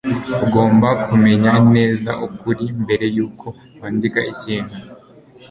Ugomba kumenya neza ukuri mbere yuko wandika ikintu.